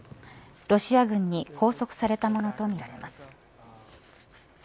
ロシア軍に拘束されたものとみられます。